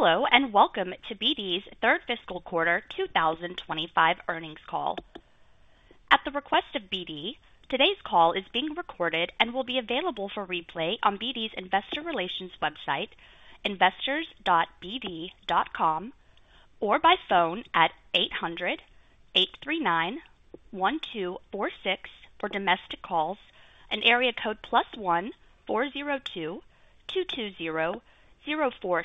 Hello and welcome to BD's third fiscal quarter 2025 earnings call. At the request of BD, today's call is being recorded and will be available for replay on BD's investor relations website, investors.bd.com, or by phone at 800-839-1246 for domestic calls and area code plus one, 402-220-0464 for international calls. For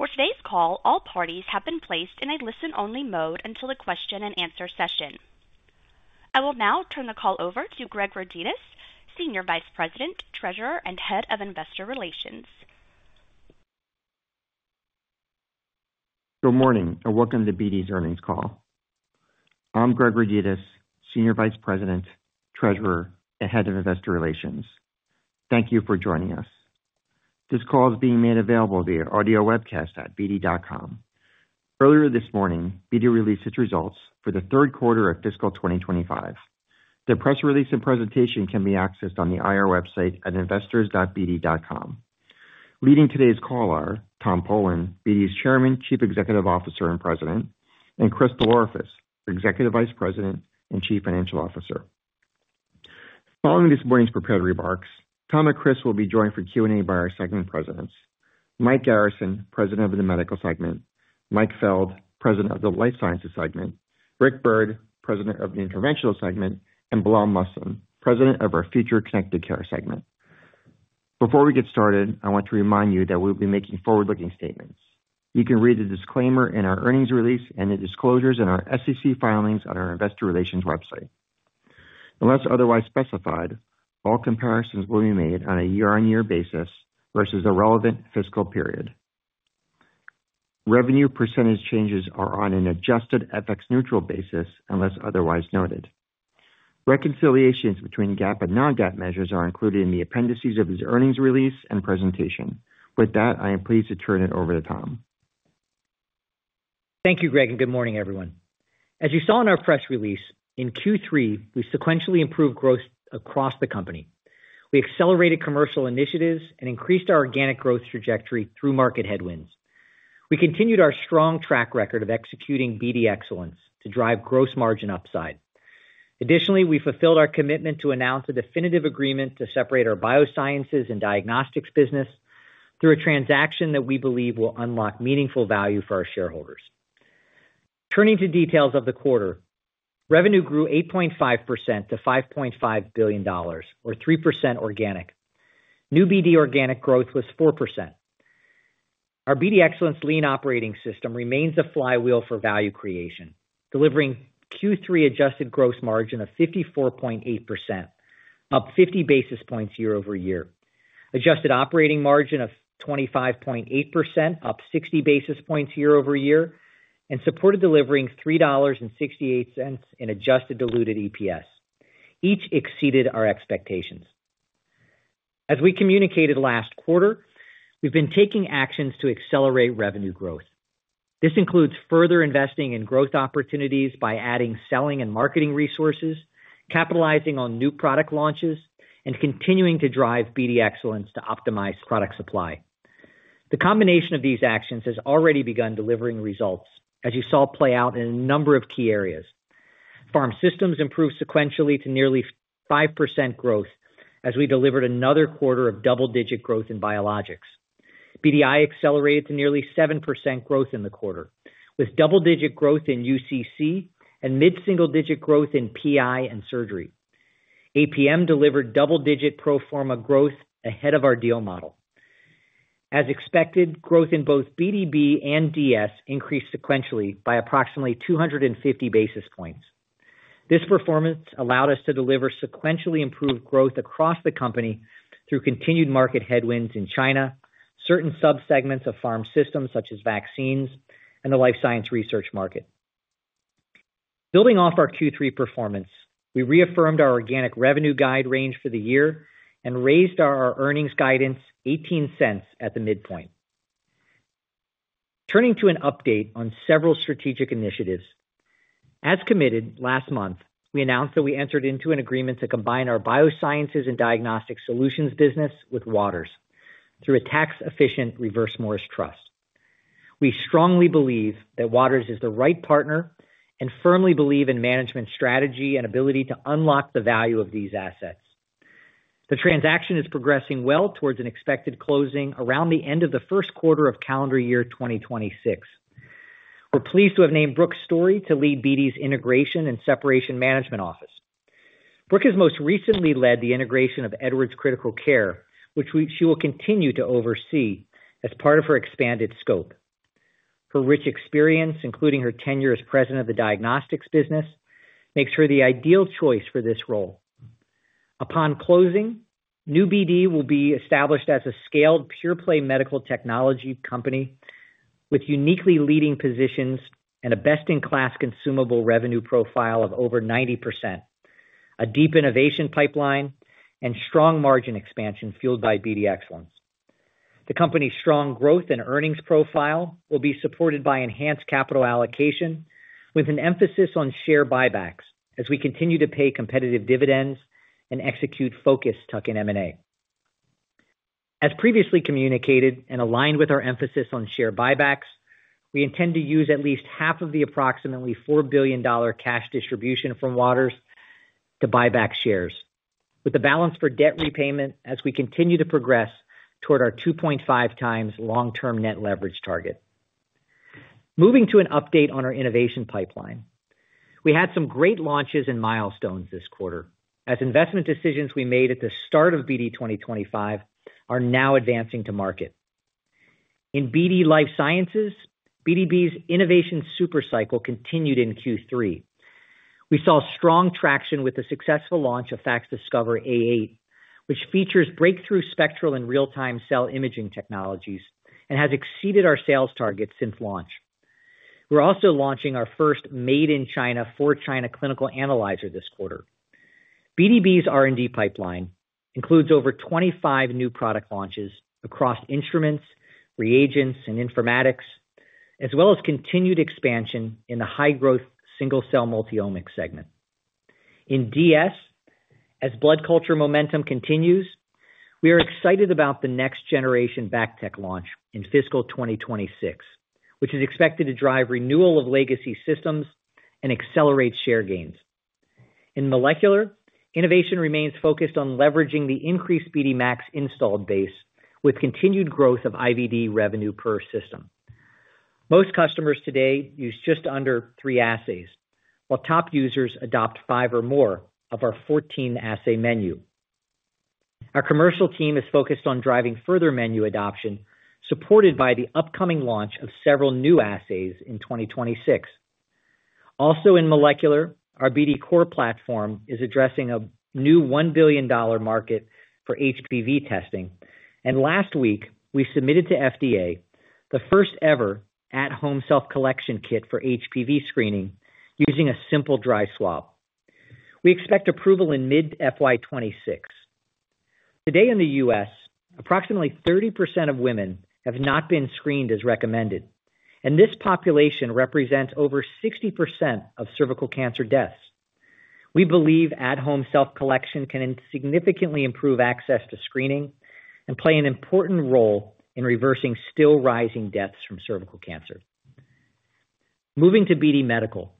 today's call, all parties have been placed in a listen-only mode until the question and answer session. I will now turn the call over to Greg Rodetis, Senior Vice President, Treasurer, and Head of Investor Relations. Good morning and welcome to BD's earnings call. I'm Greg Rodetis, Senior Vice President, Treasurer, and Head of Investor Relations. Thank you for joining us. This call is being made available via audio webcast at bd.com. Earlier this morning, BD released its results for the third quarter of fiscal 2025. The press release and presentation can be accessed on the IR website at investors.bd.com. Leading today's call are Tom Polen, BD's Chairman, Chief Executive Officer and President, and Chris DelOrefice, Executive Vice President and Chief Financial Officer. Following this morning's prepared remarks, Tom and Chris will be joined for Q&A by our segment presidents: Mike Garrison, President of the Medical segment, Mike Feld, President of the Life Sciences segment, Rick Byrd, President of the Interventional segment, and Bilal Mustin, President of our Future Connected Care segment. Before we get started, I want to remind you that we will be making forward-looking statements. You can read the disclaimer in our earnings release and the disclosures in our SEC filings on our investor relations website. Unless otherwise specified, all comparisons will be made on a year-on-year basis versus the relevant fiscal period. Revenue percentage changes are on an adjusted FX neutral basis unless otherwise noted. Reconciliations between GAAP and non-GAAP measures are included in the appendices of this earnings release and presentation. With that, I am pleased to turn it over to Tom. Thank you, Greg, and good morning, everyone. As you saw in our press release, in Q3, we sequentially improved growth across the company. We accelerated commercial initiatives and increased our organic growth trajectory through market headwinds. We continued our strong track record of executing BD Excellence to drive gross margin upside. Additionally, we fulfilled our commitment to announce a definitive agreement to separate our Biosciences and Diagnostics business through a transaction that we believe will unlock meaningful value for our shareholders. Turning to details of the quarter, revenue grew 8.5% to $5.5 billion, or 3% organic. New BD organic growth was 4%. Our BD Excellence Lean Operating System remains a flywheel for value creation, delivering a Q3 adjusted gross margin of 54.8%, up 50 basis points year over year. Adjusted operating margin of 25.8%, up 60 basis points year over year, and supported delivering $3.68 in adjusted diluted EPS, each exceeded our expectations. As we communicated last quarter, we've been taking actions to accelerate revenue growth. This includes further investing in growth opportunities by adding selling and marketing resources, capitalizing on new product launches, and continuing to drive BD Excellence to optimize product supply. The combination of these actions has already begun delivering results, as you saw play out in a number of key areas. Pharm systems improved sequentially to nearly 5% growth, as we delivered another quarter of double-digit growth in biologics. BDI accelerated to nearly 7% growth in the quarter, with double-digit growth in UCC and mid-single-digit growth in PI and surgery. APM delivered double-digit pro forma growth ahead of our deal model. As expected, growth in both BDB and DS increased sequentially by approximately 250 basis points. This performance allowed us to deliver sequentially improved growth across the company through continued market headwinds in China, certain subsegments of pharm systems such as vaccines, and the life science research market. Building off our Q3 performance, we reaffirmed our organic revenue guide range for the year and raised our earnings guidance $0.18 at the midpoint. Turning to an update on several strategic initiatives. As committed last month, we announced that we entered into an agreement to combine our Biosciences and Diagnostic Solutions business with Waters Corporation through a tax-efficient reverse Morris trust. We strongly believe that Waters Corporation is the right partner and firmly believe in management's strategy and ability to unlock the value of these assets. The transaction is progressing well towards an expected closing around the end of the first quarter of calendar year 2026. We're pleased to have named Brooke Story to lead BD's Integration and Separation Management Office. Brooke has most recently led the integration of Edwards Critical Care, which she will continue to oversee as part of her expanded scope. Her rich experience, including her tenure as President of the Diagnostics Business, makes her the ideal choice for this role. Upon closing, New BD will be established as a scaled pure-play medical technology company with uniquely leading positions and a best-in-class consumable revenue profile of over 90%, a deep innovation pipeline, and strong margin expansion fueled by BD Excellence Lean. The company's strong growth and earnings profile will be supported by enhanced capital allocation with an emphasis on share buybacks as we continue to pay competitive dividends and execute focused tuck-in M&A. As previously communicated and aligned with our emphasis on share buybacks, we intend to use at least half of the approximately $4 billion cash distribution from Waters Corporation to buy back shares, with the balance for debt repayment as we continue to progress toward our 2.5x long-term net leverage target. Moving to an update on our innovation pipeline, we had some great launches and milestones this quarter, as investment decisions we made at the start of BD 2025 are now advancing to market. In BD Life Sciences, BD Biosciences' innovation supercycle continued in Q3. We saw strong traction with the successful launch of BD FACSDiscover S8 Cell Analyzer, which features breakthrough spectral and real-time cell imaging technologies and has exceeded our sales targets since launch. We're also launching our first made-in-China for China clinical analyzer this quarter. BDB's R&D pipeline includes over 25 new product launches across instruments, reagents, and informatics, as well as continued expansion in the high-growth single-cell multi-omic segment. In BD Diagnostic Solutions, as blood culture momentum continues, we are excited about the next-generation BACTEC launch in fiscal 2026, which is expected to drive renewal of legacy systems and accelerate share gains. In molecular, innovation remains focused on leveraging the increased BD MAX molecular platform installed base with continued growth of IVD revenue per system. Most customers today use just under three assays, while top users adopt five or more of our 14-assay menu. Our commercial team is focused on driving further menu adoption, supported by the upcoming launch of several new assays in 2026. Also in molecular, our BD MAX molecular platform is addressing a new $1 billion market for HPV testing, and last week we submitted to FDA the first-ever at-home HPV self-collection kit for HPV screening using a simple dry swab. We expect approval in mid-FY2026. Today in the U.S., approximately 30% of women have not been screened as recommended, and this population represents over 60% of cervical cancer deaths. We believe at-home self-collection can significantly improve access to screening and play an important role in reversing still rising deaths from cervical cancer. Moving to BD Medical,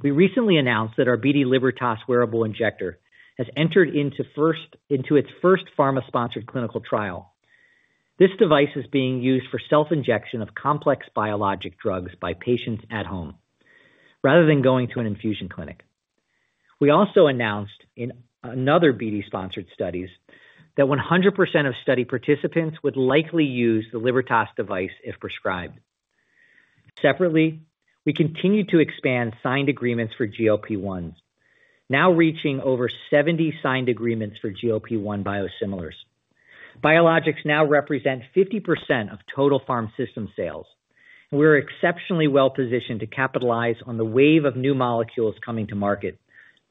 we recently announced that our BD Libertas wearable injector has entered into its first pharma-sponsored clinical trial. This device is being used for self-injection of complex biologic drugs by patients at home, rather than going to an infusion clinic. We also announced in another BD-sponsored study that 100% of study participants would likely use the Libertas device if prescribed. Separately, we continue to expand signed agreements for GLP-1 biosimilars, now reaching over 70 signed agreements for GLP-1 biosimilars. Biologics now represent 50% of total pharm system sales, and we're exceptionally well positioned to capitalize on the wave of new molecules coming to market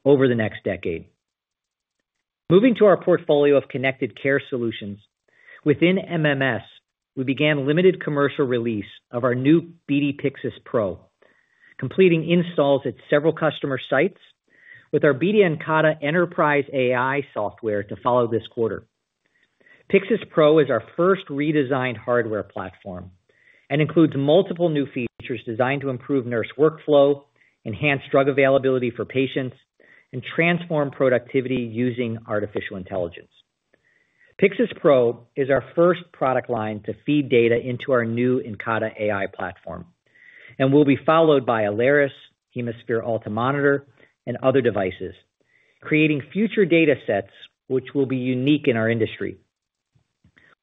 over the next decade. Moving to our portfolio of connected care solutions, within MMS, we began limited commercial release of our new BD Pyxis Pro, completing installs at several customer sites with our BD Encata Enterprise AI software to follow this quarter. Pyxis Pro is our first redesigned hardware platform and includes multiple new features designed to improve nurse workflow, enhance drug availability for patients, and transform productivity using artificial intelligence. Pyxis Pro is our first product line to feed data into our new Encata AI platform and will be followed by BD Alaris enhancements, Hemisphere Ultra Monitor, and other devices, creating future datasets which will be unique in our industry.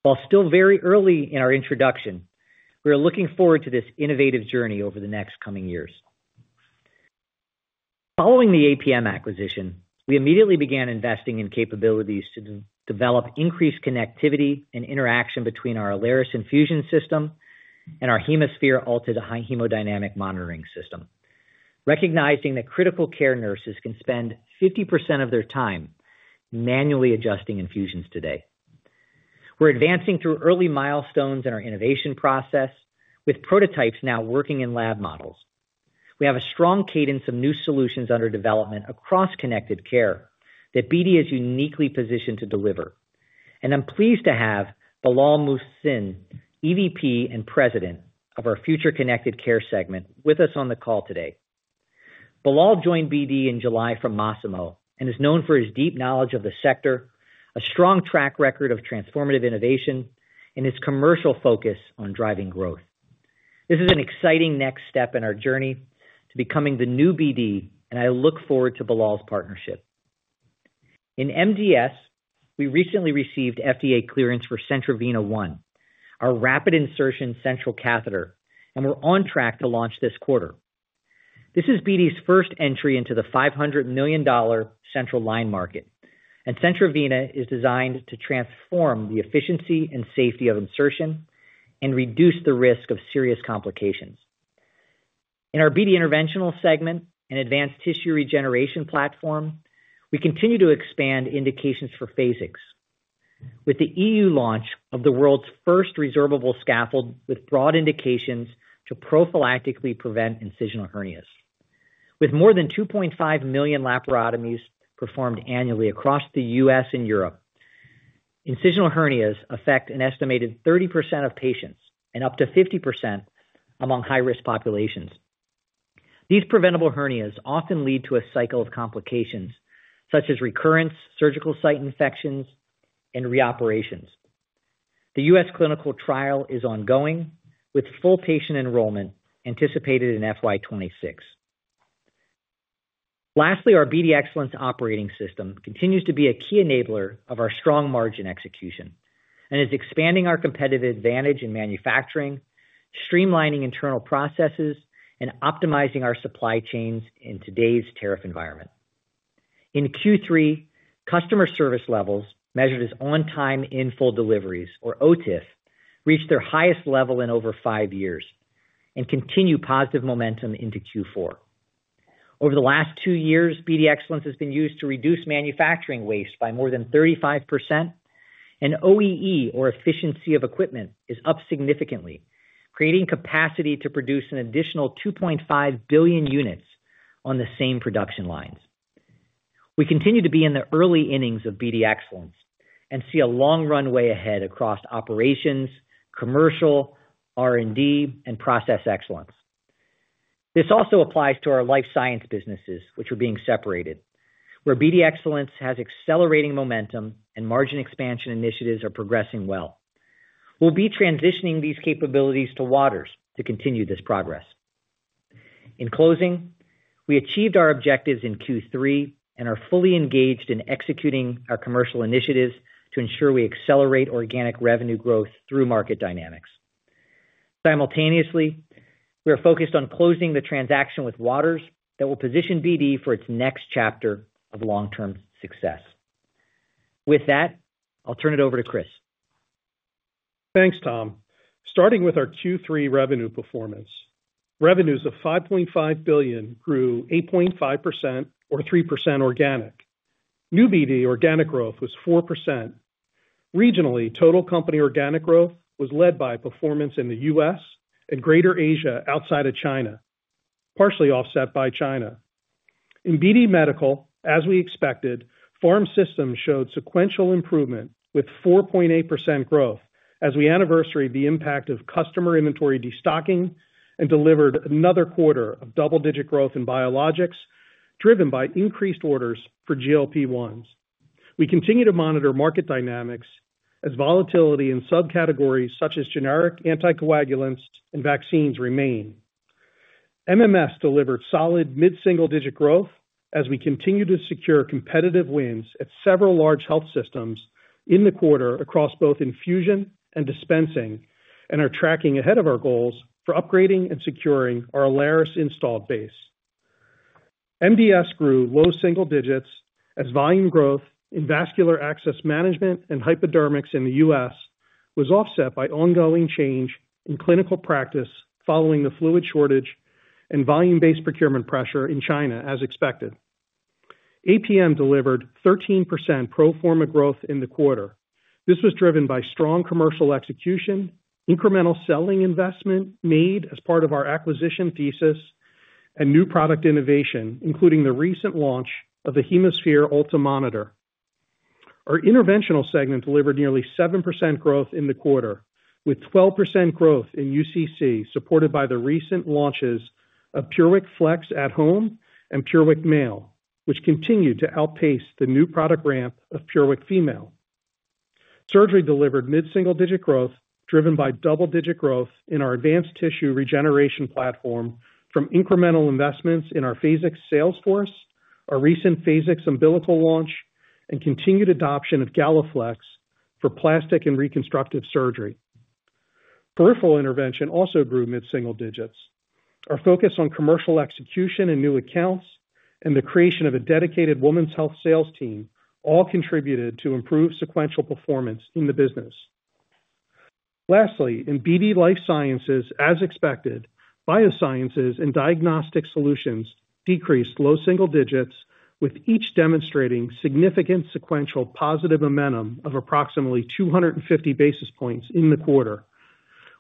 While still very early in our introduction, we are looking forward to this innovative journey over the next coming years. Following the APM acquisition, we immediately began investing in capabilities to develop increased connectivity and interaction between our Alaris infusion system and our Hemisphere Ultra Hemodynamic Monitoring System, recognizing that critical care nurses can spend 50% of their time manually adjusting infusions today. We're advancing through early milestones in our innovation process, with prototypes now working in lab models. We have a strong cadence of new solutions under development across connected care that BD is uniquely positioned to deliver, and I'm pleased to have Bilal Mustin, EVP and President of our Future Connected Care segment, with us on the call today. Bilal joined BD in July from Masimo and is known for his deep knowledge of the sector, a strong track record of transformative innovation, and his commercial focus on driving growth. This is an exciting next step in our journey to becoming the new BD, and I look forward to Bilal's partnership. In MDS, we recently received FDA clearance for CentroVena One, our rapid insertion central catheter, and we're on track to launch this quarter. This is BD's first entry into the $500 million central line market, and CentroVena is designed to transform the efficiency and safety of insertion and reduce the risk of serious complications. In our BD Interventional segment, an advanced tissue regeneration platform, we continue to expand indications for Phasix with the EU launch of the world's first resorbable scaffold with broad indications to prophylactically prevent incisional hernias. With more than 2.5 million laparotomies performed annually across the U.S. and Europe, incisional hernias affect an estimated 30% of patients and up to 50% among high-risk populations. These preventable hernias often lead to a cycle of complications such as recurrence, surgical site infections, and reoperations. The U.S. clinical trial is ongoing with full patient enrollment anticipated in FY2026. Lastly, our BD Excellence Lean Operating System continues to be a key enabler of our strong margin execution and is expanding our competitive advantage in manufacturing, streamlining internal processes, and optimizing our supply chains in today's tariff environment. In Q3, customer service levels measured as on-time in full deliveries, or OTIF, reached their highest level in over five years and continue positive momentum into Q4. Over the last two years, BD Excellence has been used to reduce manufacturing waste by more than 35%, and OEE, or efficiency of equipment, is up significantly, creating capacity to produce an additional 2.5 billion units on the same production lines. We continue to be in the early innings of BD Excellence and see a long runway ahead across operations, commercial, R&D, and process excellence. This also applies to our life science businesses, which are being separated, where BD Excellence has accelerating momentum and margin expansion initiatives are progressing well. We will be transitioning these capabilities to Waters Corporation to continue this progress. In closing, we achieved our objectives in Q3 and are fully engaged in executing our commercial initiatives to ensure we accelerate organic revenue growth through market dynamics. Simultaneously, we are focused on closing the transaction with Waters Corporation that will position BD for its next chapter of long-term success. With that, I'll turn it over to Chris. Thanks, Tom. Starting with our Q3 revenue performance, revenues of $5.5 billion grew 8.5% or 3% organic. New BD organic growth was 4%. Regionally, total company organic growth was led by performance in the U.S. and Greater Asia outside of China, partially offset by China. In BD Medical, as we expected, Pharm Systems showed sequential improvement with 4.8% growth as we anniversary the impact of customer inventory destocking and delivered another quarter of double-digit growth in biologics driven by increased orders for GLP-1s. We continue to monitor market dynamics as volatility in subcategories such as generic anticoagulants and vaccines remain. MMS delivered solid mid-single-digit growth as we continue to secure competitive wins at several large health systems in the quarter across both infusion and dispensing and are tracking ahead of our goals for upgrading and securing our Alaris installed base. MDS grew low single digits as volume growth in vascular access management and hypodermics in the U.S. was offset by ongoing change in clinical practice following the fluid shortage and volume-based procurement pressure in China as expected. APM delivered 13% pro forma growth in the quarter. This was driven by strong commercial execution, incremental selling investment made as part of our acquisition thesis, and new product innovation, including the recent launch of the Hemisphere Ultra Monitor. Our Interventional segment delivered nearly 7% growth in the quarter, with 12% growth in UCC supported by the recent launches of PureWick Flex at Home and PureWick Male, which continued to outpace the new product ramp of PureWick Female. Surgery delivered mid-single-digit growth driven by double-digit growth in our advanced tissue regeneration platform from incremental investments in our Phasix sales force, our recent Phasix umbilical launch, and continued adoption of GalaFLEX for plastic and reconstructive surgery. Peripheral intervention also grew mid-single digits. Our focus on commercial execution and new accounts and the creation of a dedicated women's health sales team all contributed to improved sequential performance in the business. Lastly, in BD Life Sciences, as expected, Biosciences and Diagnostic Solutions decreased low single digits, with each demonstrating significant sequential positive momentum of approximately 250 basis points in the quarter.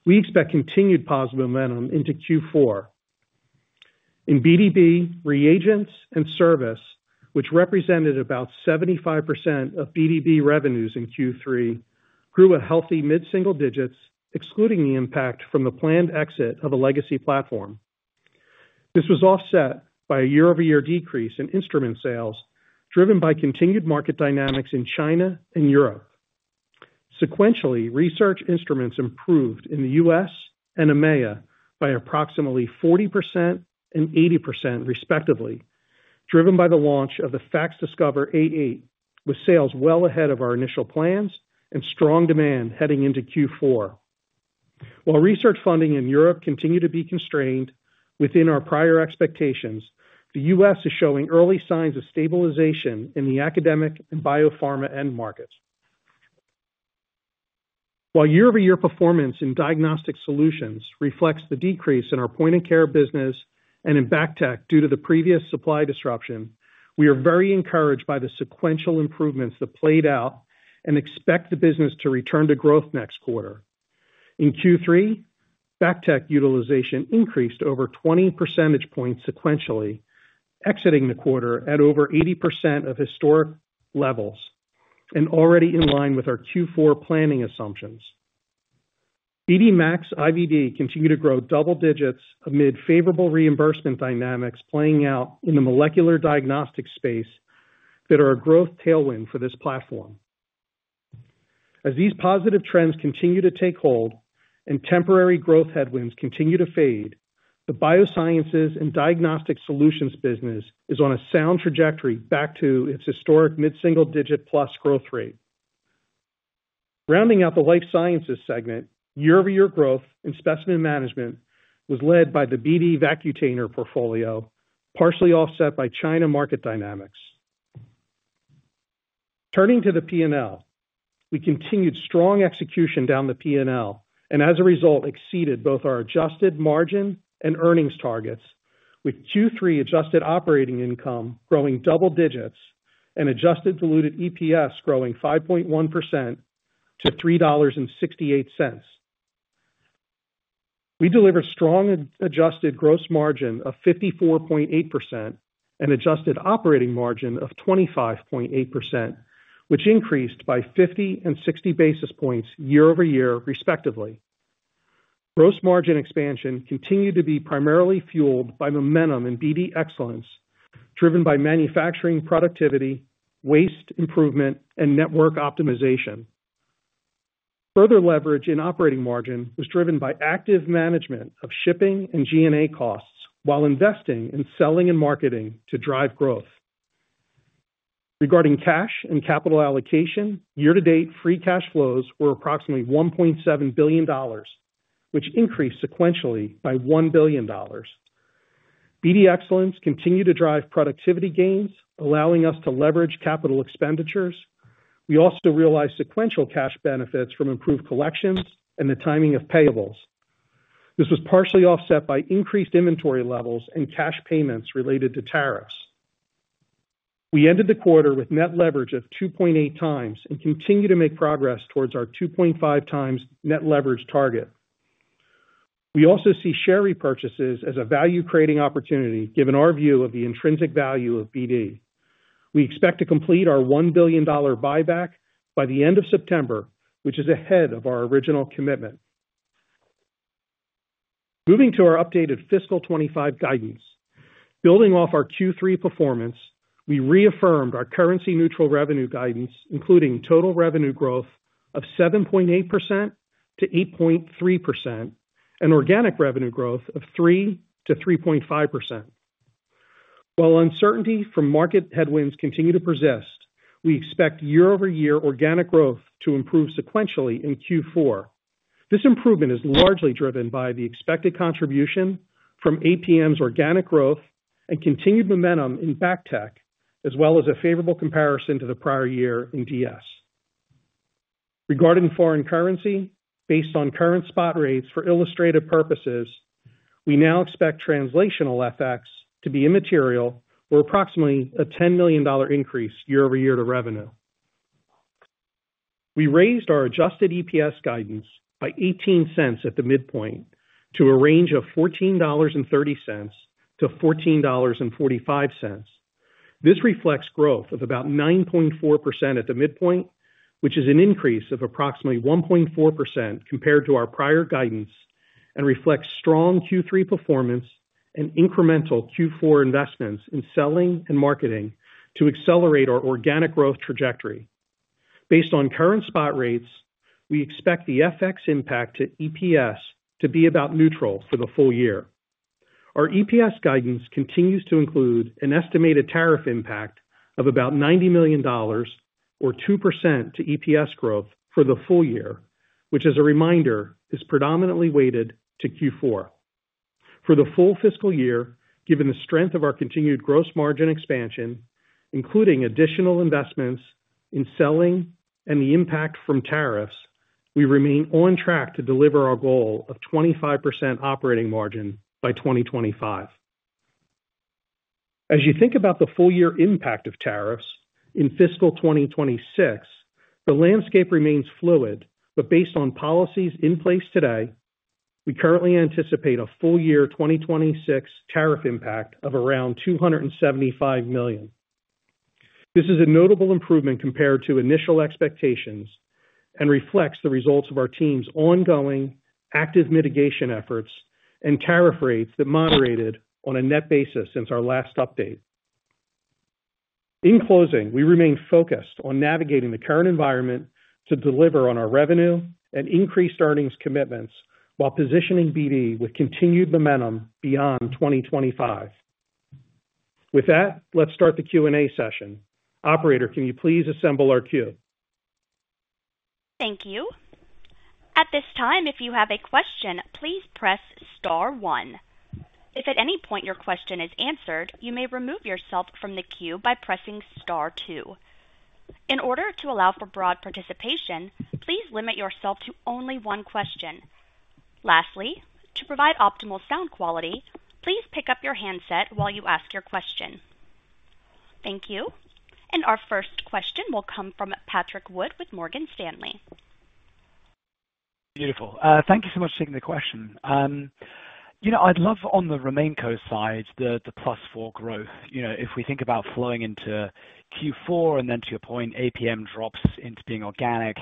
We expect continued positive momentum into Q4. In BDB, reagents and service, which represented about 75% of BDB revenues in Q3, grew a healthy mid-single digits, excluding the impact from the planned exit of a legacy platform. This was offset by a year-over-year decrease in instrument sales driven by continued market dynamics in China and Europe. Sequentially, research instruments improved in the U.S. and EMEA by approximately 40% and 80%, respectively, driven by the launch of the FACSDiscover S8, with sales well ahead of our initial plans and strong demand heading into Q4. While research funding in Europe continued to be constrained within our prior expectations, the U.S. is showing early signs of stabilization in the academic and biopharma end markets. While year-over-year performance in BD Diagnostic Solutions reflects the decrease in our point-of-care business and in BD BACTEC due to the previous supply disruption, we are very encouraged by the sequential improvements that played out and expect the business to return to growth next quarter. In Q3, BACTEC utilization increased over 20 percentage points sequentially, exiting the quarter at over 80% of historic levels and already in line with our Q4 planning assumptions. BD MAX molecular platform IVD assays continued to grow double digits amid favorable reimbursement dynamics playing out in the molecular diagnostic space that are a growth tailwind for this platform. As these positive trends continue to take hold and temporary growth headwinds continue to fade, the Biosciences and Diagnostic Solutions business is on a sound trajectory back to its historic mid-single digit plus growth rate. Rounding out the Life Sciences segment, year-over-year growth in specimen management was led by the BD Vacutainer portfolio, partially offset by China market dynamics. Turning to the P&L, we continued strong execution down the P&L and as a result exceeded both our adjusted margin and earnings targets, with Q3 adjusted operating income growing double digits and adjusted diluted EPS growing 5.1% to $3.68. We delivered a strong adjusted gross margin of 54.8% and adjusted operating margin of 25.8%, which increased by 50 and 60 basis points year over year, respectively. Gross margin expansion continued to be primarily fueled by momentum in BD Excellence Lean Operating System, driven by manufacturing productivity, waste improvement, and network optimization. Further leverage in operating margin was driven by active management of shipping and G&A costs while investing in selling and marketing to drive growth. Regarding cash and capital allocation, year-to-date free cash flows were approximately $1.7 billion, which increased sequentially by $1 billion. BD Excellence continued to drive productivity gains, allowing us to leverage capital expenditures. We also realized sequential cash benefits from improved collections and the timing of payables. This was partially offset by increased inventory levels and cash payments related to tariffs. We ended the quarter with net leverage of 2.8x and continue to make progress towards our 2.5x net leverage target. We also see share repurchases as a value creating opportunity, given our view of the intrinsic value of BD. We expect to complete our $1 billion buyback by the end of September, which is ahead of our original commitment. Moving to our updated fiscal 2025 guidance, building off our Q3 performance, we reaffirmed our currency neutral revenue guidance, including total revenue growth of 7.8% to 8.3% and organic revenue growth of 3% to 3.5%. While uncertainty from market headwinds continue to persist, we expect year-over-year organic growth to improve sequentially in Q4. This improvement is largely driven by the expected contribution from APM's organic growth and continued momentum in BACTEC, as well as a favorable comparison to the prior year in DS. Regarding foreign currency, based on current spot rates for illustrative purposes, we now expect translational FX to be immaterial or approximately a $10 million increase year over year to revenue. We raised our adjusted EPS guidance by $0.18 at the midpoint to a range of $14.30-$14.45. This reflects growth of about 9.4% at the midpoint, which is an increase of approximately 1.4% compared to our prior guidance and reflects strong Q3 performance and incremental Q4 investments in selling and marketing to accelerate our organic growth trajectory. Based on current spot rates, we expect the FX impact to EPS to be about neutral for the full year. Our EPS guidance continues to include an estimated tariff impact of about $90 million, or 2% to EPS growth for the full year, which as a reminder is predominantly weighted to Q4. For the full fiscal year, given the strength of our continued gross margin expansion, including additional investments in selling and the impact from tariffs, we remain on track to deliver our goal of 25% operating margin by 2025. As you think about the full year impact of tariffs in fiscal 2026, the landscape remains fluid, but based on policies in place today, we currently anticipate a full year 2026 tariff impact of around $275 million. This is a notable improvement compared to initial expectations and reflects the results of our team's ongoing active mitigation efforts and tariff rates that moderated on a net basis since our last update. In closing, we remain focused on navigating the current environment to deliver on our revenue and increased earnings commitments while positioning BD with continued momentum beyond 2025. With that, let's start the Q&A session. Operator, can you please assemble our queue? Thank you. At this time, if you have a question, please press star one. If at any point your question is answered, you may remove yourself from the queue by pressing star two. In order to allow for broad participation, please limit yourself to only one question. Lastly, to provide optimal sound quality, please pick up your handset while you ask your question. Thank you. Our first question will come from Patrick Wood with Morgan Stanley. Beautiful. Thank you so much for taking the question. I'd love on the Raminco side, the +4% growth. If we think about flowing into Q4 and then to your point, APM drops into being organic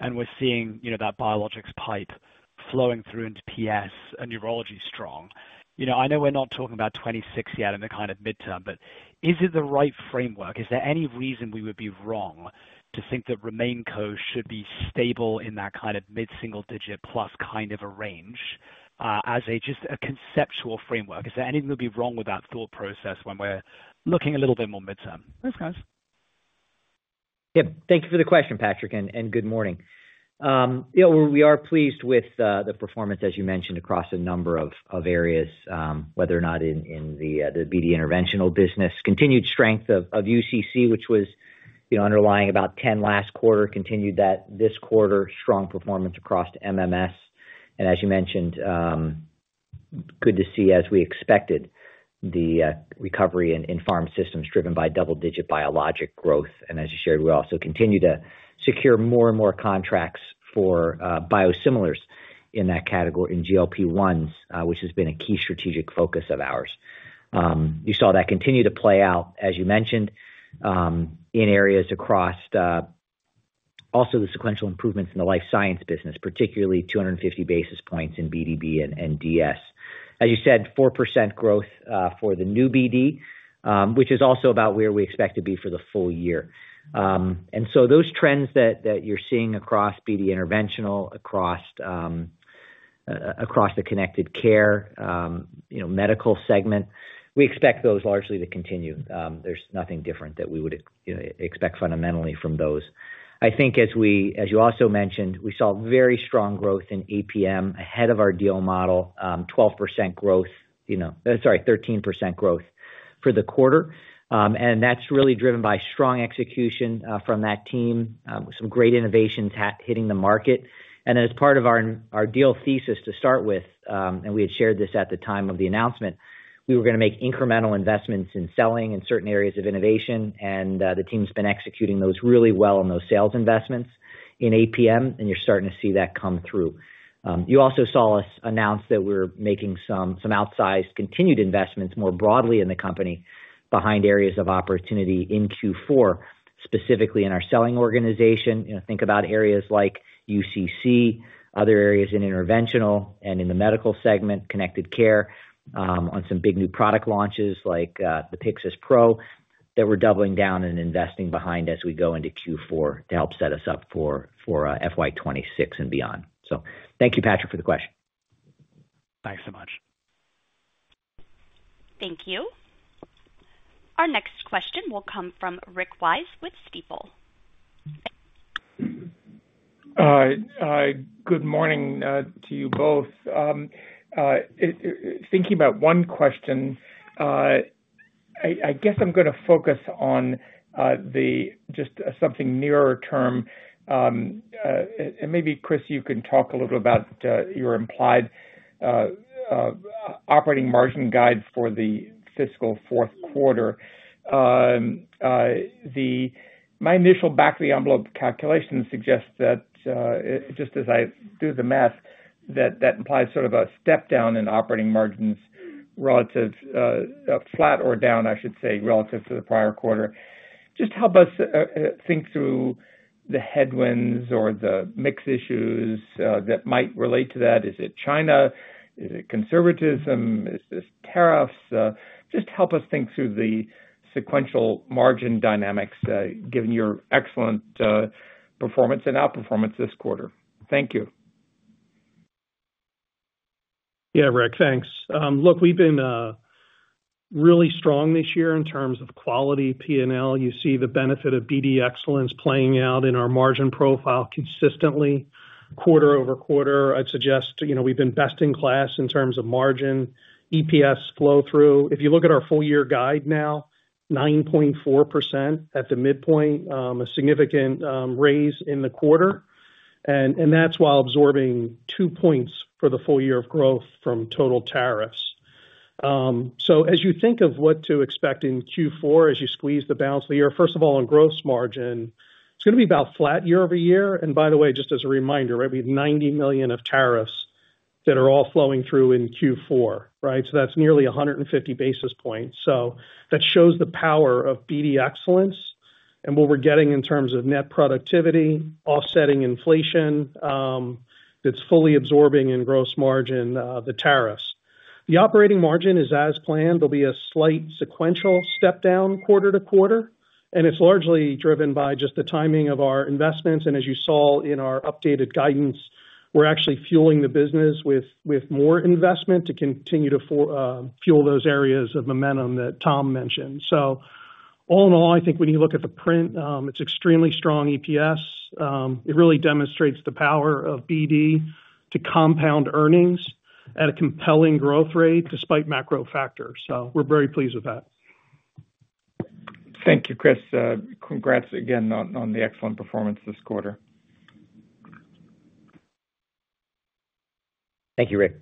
and we're seeing that biologics pipe flowing through into PS and neurology strong. I know we're not talking about 2026 yet in the kind of midterm, but is it the right framework? Is there any reason we would be wrong to think that Raminco should be stable in that kind of mid-single digit plus kind of a range as just a conceptual framework? Is there anything that would be wrong with that thought process when we're looking a little bit more midterm? Thanks, guys. Thank you for the question, Patrick, and good morning. We are pleased with the performance, as you mentioned, across a number of areas, whether or not in the BD Interventional business, continued strength of UCC, which was underlying about 10% last quarter, continued that this quarter, strong performance across MMS. As you mentioned, good to see, as we expected, the recovery in Pharma Systems driven by double-digit biologic growth. As you shared, we also continue to secure more and more contracts for biosimilars in that category in GLP-1s, which has been a key strategic focus of ours. You saw that continue to play out, as you mentioned, in areas across also the sequential improvements in the Life Sciences business, particularly 250 basis points in BDB and DS. As you said, 4% growth for the new BD, which is also about where we expect to be for the full year. Those trends that you're seeing across BD Interventional, across the Connected Care, Medical segment, we expect those largely to continue. There's nothing different that we would expect fundamentally from those. I think as you also mentioned, we saw very strong growth in APM ahead of our deal model, 12% growth, sorry, 13% growth for the quarter. That's really driven by strong execution from that team, some great innovations hitting the market. As part of our deal thesis to start with, and we had shared this at the time of the announcement, we were going to make incremental investments in selling and certain areas of innovation. The team's been executing those really well in those sales investments in APM, and you're starting to see that come through. You also saw us announce that we're making some outsized continued investments more broadly in the company behind areas of opportunity in Q4, specifically in our selling organization. Think about areas like UCC, other areas in Interventional, and in the Medical segment, Connected Care, on some big new product launches like the BD Pyxis Pro that we're doubling down and investing behind as we go into Q4 to help set us up for FY2026 and beyond. Thank you, Patrick, for the question. Thanks so much. Thank you. Our next question will come from Rick Wise with Stifel. Good morning to you both. Thinking about one question, I guess I'm going to focus on just something nearer term. Maybe, Chris, you can talk a little about your implied operating margin guides for the fiscal fourth quarter. My initial back-of-the-envelope calculation suggests that just as I do the math, that implies sort of a step down in operating margins, relative flat or down, I should say, relative to the prior quarter. Just help us think through the headwinds or the mix issues that might relate to that. Is it China? Is it conservatism? Is this tariffs? Just help us think through the sequential margin dynamics, given your excellent performance and outperformance this quarter. Thank you. Yeah, Rick, thanks. Look, we've been really strong this year in terms of quality P&L. You see the benefit of BD Excellence playing out in our margin profile consistently, quarter over quarter. I'd suggest we've been best in class in terms of margin, EPS flow-through. If you look at our full-year guide now, 9.4% at the midpoint, a significant raise in the quarter. That's while absorbing two points for the full year of growth from total tariffs. As you think of what to expect in Q4, as you squeeze the balance of the year, first of all, in gross margin, it's going to be about flat year over year. By the way, just as a reminder, we have $90 million of tariffs that are all flowing through in Q4, right? That's nearly 150 basis points. That shows the power of BD Excellence and what we're getting in terms of net productivity, offsetting inflation that's fully absorbing in gross margin the tariffs. The operating margin is as planned. There'll be a slight sequential step down quarter to quarter. It's largely driven by just the timing of our investments. As you saw in our updated guidance, we're actually fueling the business with more investment to continue to fuel those areas of momentum that Tom mentioned. All in all, I think when you look at the print, it's extremely strong EPS. It really demonstrates the power of BD to compound earnings at a compelling growth rate despite macro factors. We're very pleased with that. Thank you, Chris. Congrats again on the excellent performance this quarter. Thank you, Rick.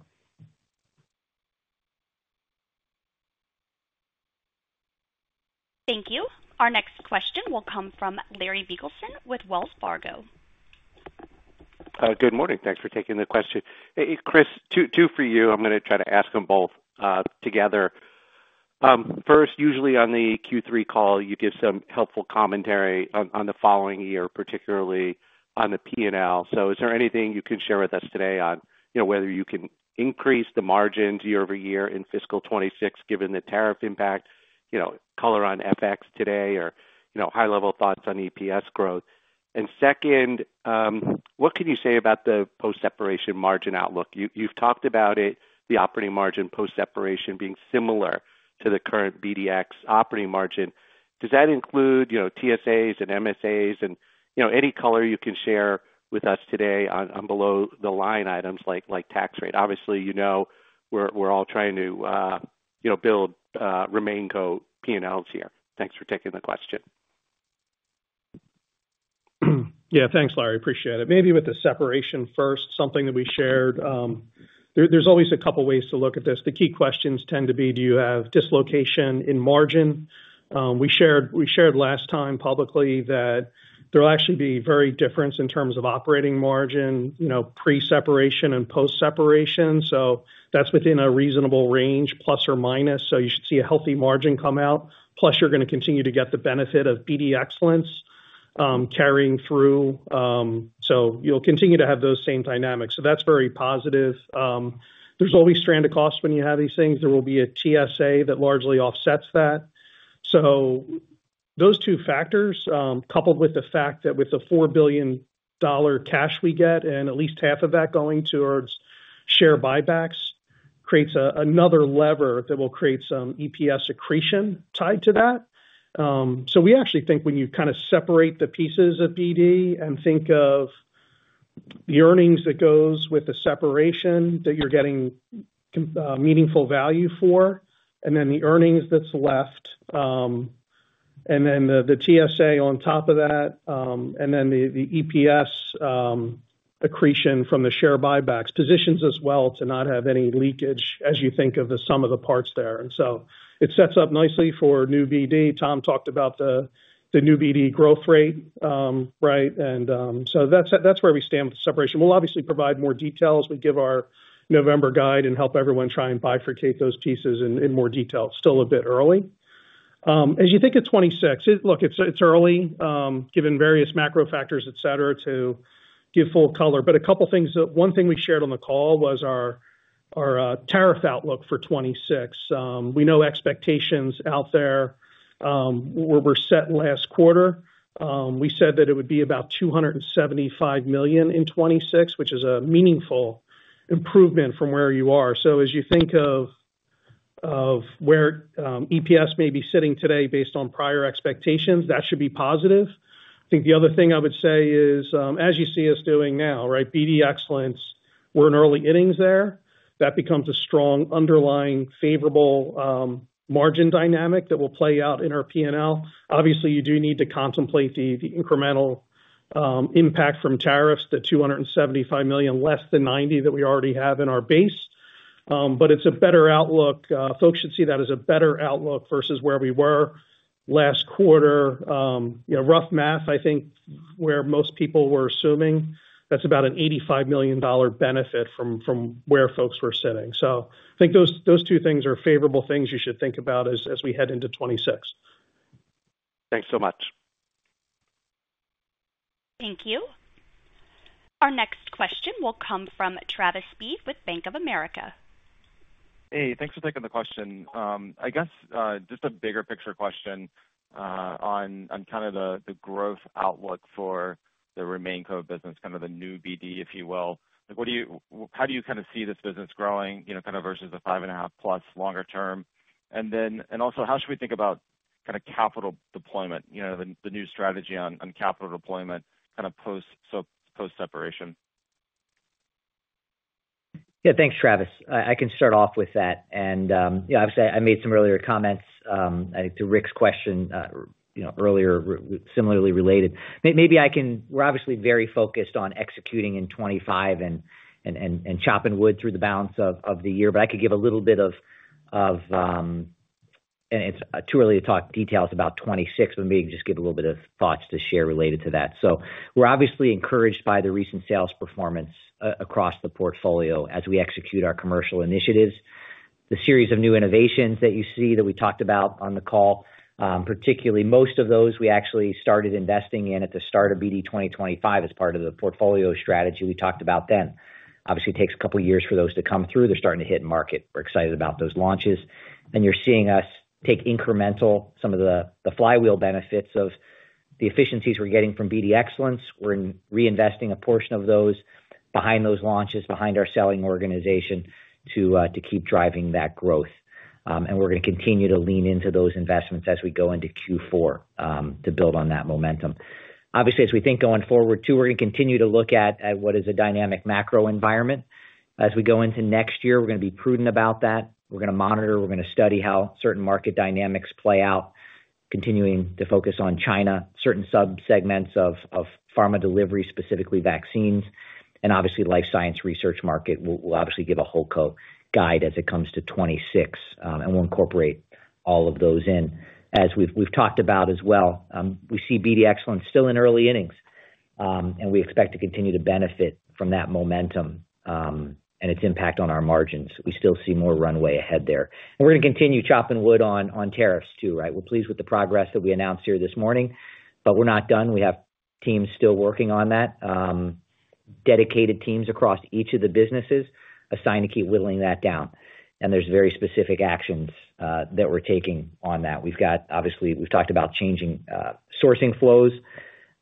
Thank you. Our next question will come from Larry Biegelsen with Wells Fargo. Good morning. Thanks for taking the question. Chris, two for you. I'm going to try to ask them both together. First, usually on the Q3 call, you give some helpful commentary on the following year, particularly on the P&L. Is there anything you can share with us today on whether you can increase the margins year over year in fiscal 2026, given the tariff impact, color on FX today, or high-level thoughts on EPS growth? Second, what can you say about the post-separation margin outlook? You've talked about it, the operating margin post-separation being similar to the current BD operating margin. Does that include TSAs and MSAs, and any color you can share with us today on below-the-line items like tax rate? Obviously, we're all trying to build Raminco P&Ls here. Thanks for taking the question. Yeah, thanks, Larry. Appreciate it. Maybe with the separation first, something that we shared. There's always a couple of ways to look at this. The key questions tend to be, do you have dislocation in margin? We shared last time publicly that there'll actually be a very difference in terms of operating margin, you know, pre-separation and post-separation. That's within a reasonable range, plus or minus. You should see a healthy margin come out. Plus, you're going to continue to get the benefit of BD Excellence carrying through. You'll continue to have those same dynamics. That's very positive. There's always stranded costs when you have these things. There will be a TSA that largely offsets that. Those two factors, coupled with the fact that with the $4 billion cash we get and at least half of that going towards share buybacks, creates another lever that will create some EPS accretion tied to that. We actually think when you kind of separate the pieces of BD and think of the earnings that go with the separation that you're getting meaningful value for, and then the earnings that's left, and then the TSA on top of that, and then the EPS accretion from the share buybacks positions as well to not have any leakage as you think of the sum of the parts there. It sets up nicely for new BD. Tom talked about the new BD growth rate, right? That's where we stand with the separation. We'll obviously provide more details. We give our November guide and help everyone try and bifurcate those pieces in more detail. It's still a bit early. As you think of 2026, look, it's early, given various macro factors, et cetera, to give full color. A couple of things, one thing we shared on the call was our tariff outlook for 2026. We know expectations out there were set last quarter. We said that it would be about $275 million in 2026, which is a meaningful improvement from where you are. As you think of where EPS may be sitting today based on prior expectations, that should be positive. I think the other thing I would say is, as you see us doing now, right, BD Excellence, we're in early innings there. That becomes a strong underlying favorable margin dynamic that will play out in our P&L. Obviously, you do need to contemplate the incremental impact from tariffs, the $275 million less than $90 million that we already have in our base. It's a better outlook. Folks should see that as a better outlook versus where we were last quarter. You know, rough math, I think where most people were assuming, that's about an $85 million benefit from where folks were sitting. I think those two things are favorable things you should think about as we head into 2026. Thanks so much. Thank you. Our next question will come from Travis Steed with Bank of America. Hey, thanks for taking the question. I guess just a bigger picture question on kind of the growth outlook for the BD business, kind of the new BD, if you will. How do you kind of see this business growing, you know, kind of versus a 5.5%+ longer term? Also, how should we think about kind of capital deployment, you know, the new strategy on capital deployment post-separation? Yeah, thanks, Travis. I can start off with that. Obviously, I made some earlier comments to Rick's question earlier, similarly related. Maybe I can, we're obviously very focused on executing in 2025 and chopping wood through the balance of the year, but I could give a little bit of, and it's too early to talk details about 2026, but maybe just give a little bit of thoughts to share related to that. We're obviously encouraged by the recent sales performance across the portfolio as we execute our commercial initiatives. The series of new innovations that you see that we talked about on the call, particularly most of those we actually started investing in at the start of BD 2025 as part of the portfolio strategy we talked about then. Obviously, it takes a couple of years for those to come through. They're starting to hit market. We're excited about those launches. You're seeing us take incremental, some of the flywheel benefits of the efficiencies we're getting from BD Excellence. We're reinvesting a portion of those behind those launches, behind our selling organization to keep driving that growth. We're going to continue to lean into those investments as we go into Q4 to build on that momentum. Obviously, as we think going forward too, we're going to continue to look at what is a dynamic macro environment. As we go into next year, we're going to be prudent about that. We're going to monitor, we're going to study how certain market dynamics play out, continuing to focus on China, certain subsegments of pharma delivery, specifically vaccines, and obviously the life science research market. We'll obviously give a whole coat guide as it comes to 2026, and we'll incorporate all of those in. As we've talked about as well, we see BD Excellence still in early innings, and we expect to continue to benefit from that momentum and its impact on our margins. We still see more runway ahead there. We're going to continue chopping wood on tariffs too, right? We're pleased with the progress that we announced here this morning, but we're not done. We have teams still working on that, dedicated teams across each of the businesses assigned to keep whittling that down. There's very specific actions that we're taking on that. We've got, obviously, we've talked about changing sourcing flows,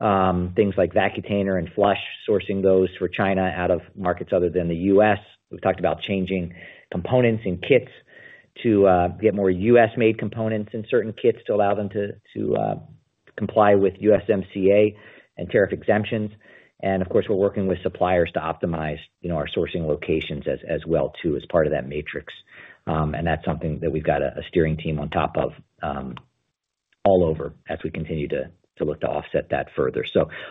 things like Vacutainer and flush, sourcing those for China out of markets other than the U.S. We've talked about changing components and kits to get more U.S.-made components in certain kits to allow them to comply with USMCA and tariff exemptions. We're working with suppliers to optimize our sourcing locations as well, too, as part of that matrix. That's something that we've got a steering team on top of all over as we continue to look to offset that further.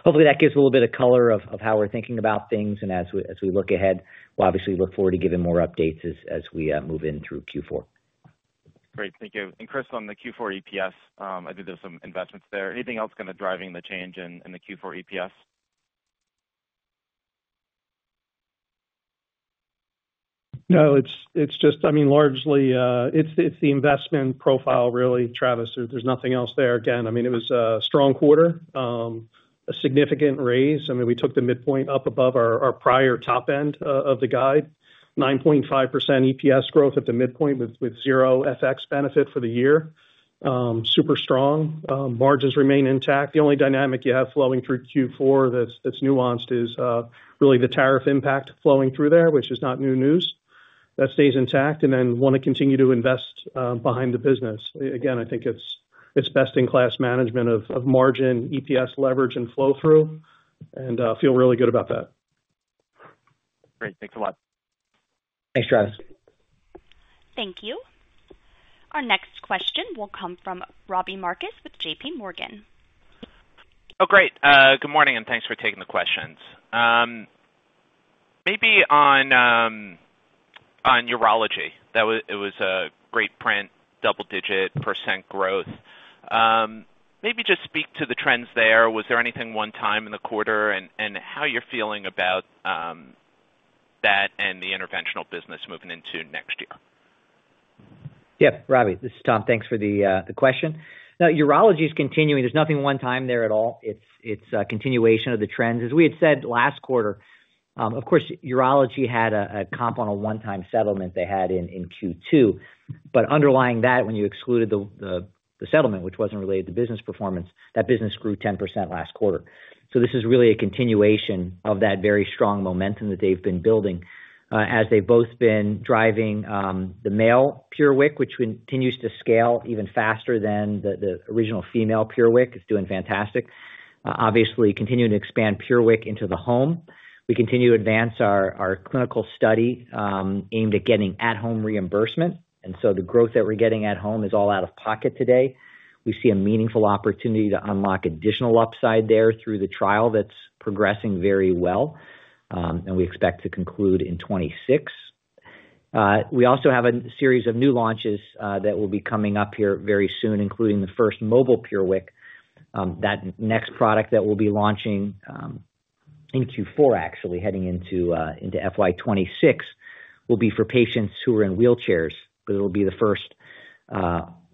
Hopefully that gives a little bit of color of how we're thinking about things. As we look ahead, we'll obviously look forward to giving more updates as we move in through Q4. Great, thank you. Chris, on the Q4 EPS, I believe there's some investments there. Is there anything else kind of driving the change in the Q4 EPS? No, it's just, I mean, largely it's the investment profile, really, Travis. There's nothing else there. Again, I mean, it was a strong quarter, a significant raise. I mean, we took the midpoint up above our prior top end of the guide, 9.5% EPS growth at the midpoint with zero FX benefit for the year. Super strong. Margins remain intact. The only dynamic you have flowing through Q4 that's nuanced is really the tariff impact flowing through there, which is not new news. That stays intact and then want to continue to invest behind the business. Again, I think it's best-in-class management of margin, EPS leverage, and flow-through and feel really good about that. Great, thanks a lot. Thanks, Travis. Thank you. Our next question will come from Robbie Marcus with JPMorgan. Oh, great. Good morning and thanks for taking the questions. Maybe on urology, it was a great print, double-digit percent growth. Maybe just speak to the trends there. Was there anything one time in the quarter and how you're feeling about that and the Interventional business moving into next year? Yeah. Robbie, this is Tom. Thanks for the question. Now, urology is continuing. There's nothing one time there at all. It's a continuation of the trends. As we had said last quarter, of course, urology had a comp on a one-time settlement they had in Q2. Underlying that, when you excluded the settlement, which wasn't related to business performance, that business grew 10% last quarter. This is really a continuation of that very strong momentum that they've been building, as they've both been driving the male PureWick, which continues to scale even faster than the original female PureWick. It's doing fantastic. Obviously, continuing to expand PureWick into the home. We continue to advance our clinical study aimed at getting at-home reimbursement. The growth that we're getting at home is all out of pocket today. We see a meaningful opportunity to unlock additional upside there through the trial that's progressing very well. We expect to conclude in 2026. We also have a series of new launches that will be coming up here very soon, including the first mobile PureWick. That next product that we'll be launching in Q4, actually heading into FY 2026, will be for patients who are in wheelchairs. It'll be the first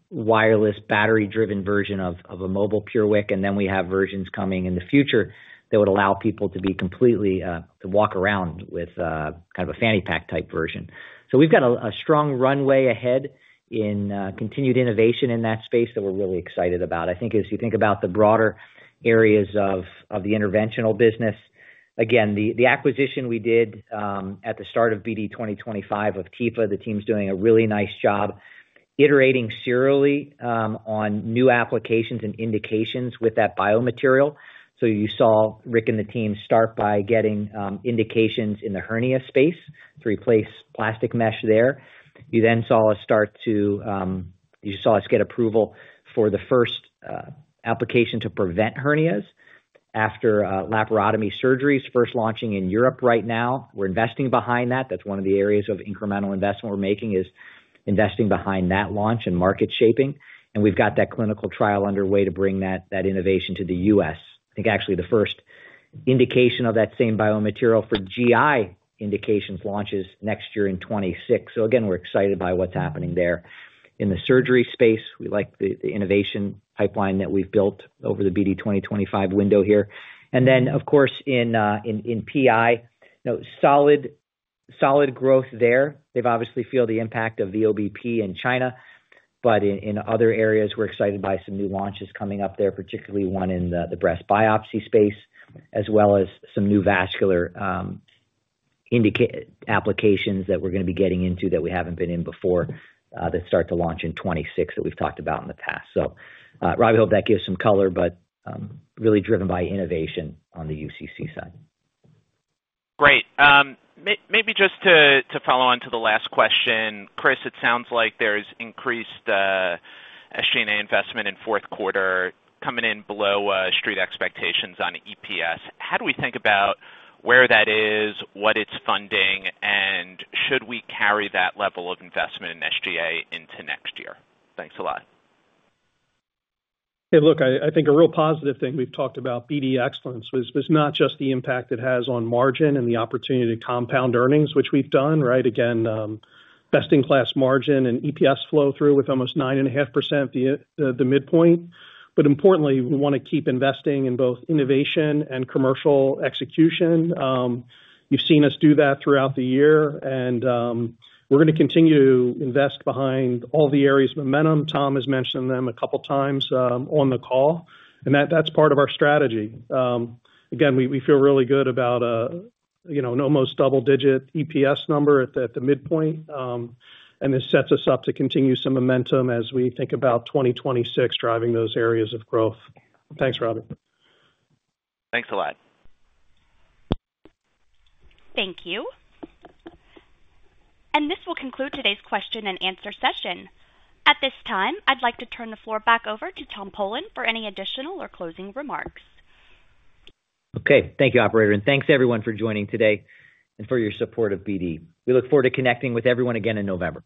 wireless battery-driven version of a mobile PureWick. We have versions coming in the future that would allow people to be completely walk around with kind of a fanny pack type version. We've got a strong runway ahead in continued innovation in that space that we're really excited about. I think as you think about the broader areas of the Interventional business, again, the acquisition we did at the start of BD 2025 of TELA, the team's doing a really nice job iterating serially on new applications and indications with that biomaterial. You saw Rick and the team start by getting indications in the hernia space to replace plastic mesh there. You then saw us get approval for the first application to prevent hernias after laparotomy surgeries, first launching in Europe right now. We're investing behind that. That's one of the areas of incremental investment we're making, investing behind that launch and market shaping. We've got that clinical trial underway to bring that innovation to the U.S. I think actually the first indication of that same biomaterial for GI indications launches next year in 2026. We're excited by what's happening there. In the surgery space, we like the innovation pipeline that we've built over the BD 2025 window here. Of course, in PI, solid growth there. They obviously feel the impact of the OBP in China. In other areas, we're excited by some new launches coming up there, particularly one in the breast biopsy space, as well as some new vascular applications that we're going to be getting into that we haven't been in before that start to launch in 2026 that we've talked about in the past. Rob, I hope that gives some color, but really driven by innovation on the UCC side. Great. Maybe just to follow on to the last question, Chris, it sounds like there's increased SG&A investment in fourth quarter coming in below street expectations on EPS. How do we think about where that is, what it's funding, and should we carry that level of investment in SG&A into next year? Thanks a lot. Hey, look, I think a real positive thing we've talked about BD Excellence was not just the impact it has on margin and the opportunity to compound earnings, which we've done, right? Again, best-in-class margin and EPS flow-through with almost 9.5% at the midpoint. Importantly, we want to keep investing in both innovation and commercial execution. You've seen us do that throughout the year, and we're going to continue to invest behind all the area's momentum. Tom has mentioned them a couple of times on the call. That's part of our strategy. Again, we feel really good about an almost double-digit EPS number at the midpoint. This sets us up to continue some momentum as we think about 2026 driving those areas of growth. Thanks, Robbie. Thanks a lot. Thank you. This will conclude today's question and answer session. At this time, I'd like to turn the floor back over to Tom Polen for any additional or closing remarks. Okay, thank you, Operator, and thanks everyone for joining today and for your support of BD. We look forward to connecting with everyone again in November.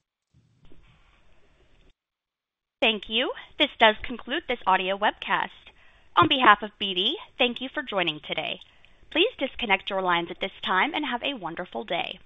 Thank you. This does conclude this audio webcast. On behalf of BD, thank you for joining today. Please disconnect your lines at this time and have a wonderful day.